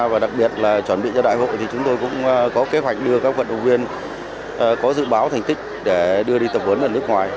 và đặc biệt là chuẩn bị cho đại hội thì chúng tôi cũng có kế hoạch đưa các vận động viên có dự báo thành tích để đưa đi tập huấn ở nước ngoài